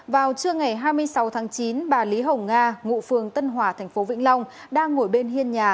vào trưa ngày hai mươi sáu tháng chín bà lý hồng nga ngụ phường tân hòa tp vĩnh long đang ngồi bên hiên nhà